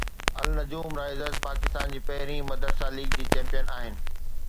النجوم Risers Pakistan جي پهرين مدرسه ليگ جي چيمپيئن آهن